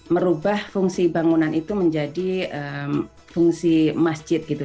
merubah fungsi bangunan itu menjadi fungsi masjid gitu